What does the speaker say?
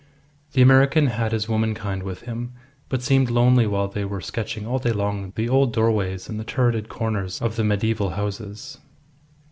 The American had his womankind with him, but seemed lonely while they were sketching all day long the old doorways and the turreted corners of the mediaeval houses.